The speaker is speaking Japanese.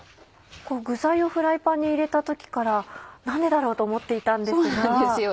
具材をフライパンに入れた時から何でだろう？と思っていたんですが。